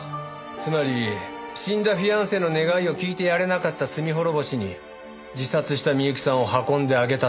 つまり死んだフィアンセの願いを聞いてやれなかった罪滅ぼしに自殺した美由紀さんを運んであげたと？